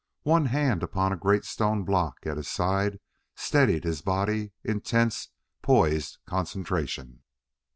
One hand upon a great stone block at his side steadied his body in tense, poised concentration.